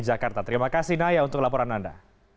jakarta terima kasih naya untuk laporan anda